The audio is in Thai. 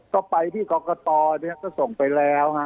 ก็ไปที่กรกตรเนี่ยก็ส่งไปแล้ว